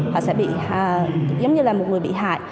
họ sẽ bị giống như là một người bị hại